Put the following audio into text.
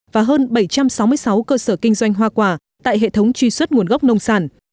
và hơn bảy trăm sáu mươi sáu cơ sở kinh doanh hoa quả tại hệ thống truy xuất nguồn gốc nông sản